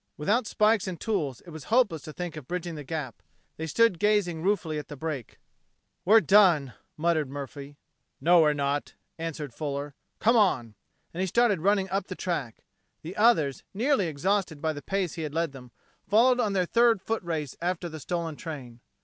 Without spikes and tools it was hopeless to think of bridging the gap. They stood gazing ruefully at the break. "We're done!" muttered Murphy. "No, we're not," answered Fuller. "Come on!" And he started running up the track. The others, nearly exhausted by the pace he had led them, followed on their third foot race after the stolen train.